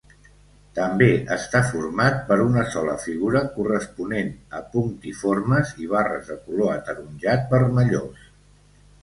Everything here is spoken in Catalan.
També està format per una sola figura corresponent a punctiformes i barres de color ataronjat-vermellós.